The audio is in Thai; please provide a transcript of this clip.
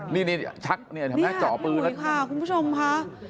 นี่ชักจ่อปืนแล้วนี่ค่ะคุณผู้ชมค่ะ